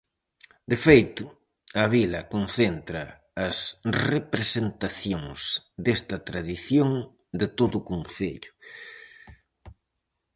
De feito, a vila concentra as representacións desta tradición de todo o concello.